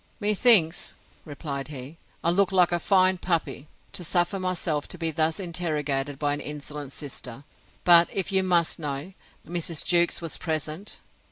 Methinks, replied he, I look like a fine puppy, to suffer myself to be thus interrogated by an insolent sister: but, if you must know, Mrs. Jewkes was present.